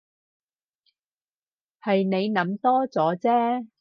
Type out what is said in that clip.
係你諗多咗啫